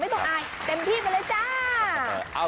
ต้องอายเต็มที่ไปเลยจ้า